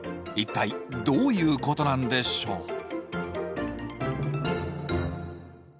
一体どういうことなんでしょう。